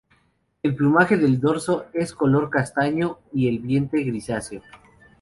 El plumaje del dorso es de color castaño y el vientre grisáceo.